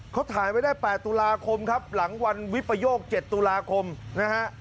เขาถ่ายไว้ได้๘ตุลาคมครับหลังวันวิปโยค๗ตุลาคมนะฮะ